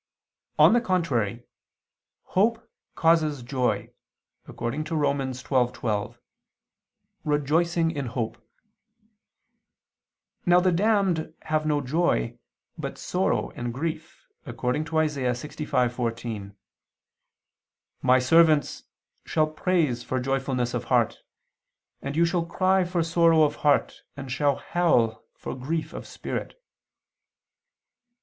On the contrary, Hope causes joy, according to Rom. 12:12, "Rejoicing in hope." Now the damned have no joy, but sorrow and grief, according to Isa. 65:14, "My servants shall praise for joyfulness of heart, and you shall cry for sorrow of heart, and shall howl for grief of spirit."